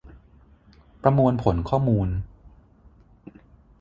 ประมวลผลข้อมูล